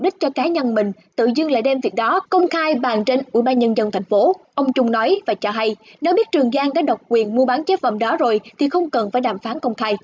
trong việc đó công khai bàn trên ủy ban nhân dân thành phố ông trung nói và cho hay nếu biết trường giang đã độc quyền mua bán chế phẩm đó rồi thì không cần phải đàm phán công khai